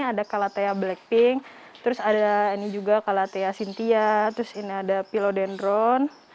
ada calathea blackpink terus ada ini juga kalatea cynthia terus ini ada pilodendrone